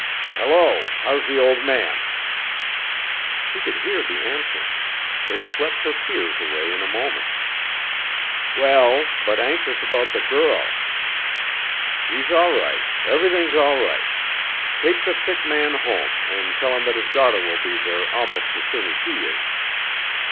"Hello! how's the old man?" She could hear the answer. It swept her fears away in a moment. "Well, but anxious about the girl." "She's all right, everything's all right. Take the sick man home and tell him that his daughter will be there almost as soon as he is."